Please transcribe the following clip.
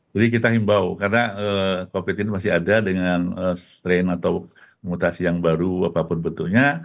jadi kita imbau karena covid ini masih ada dengan strain atau mutasi yang baru apapun bentuknya